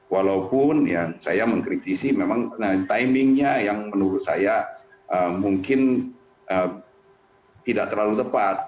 walaupun ya saya mengkritisi memang timingnya yang menurut saya mungkin tidak terlalu tepat